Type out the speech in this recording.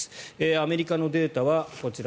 アメリカのデータはこちら。